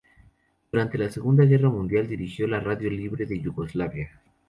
Durante la Segunda Guerra Mundial dirigió la Radio Libre de Yugoslavia.